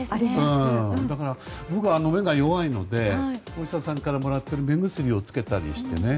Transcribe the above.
だから僕は目が弱いのでお医者さんからもらっている目薬をつけたりして。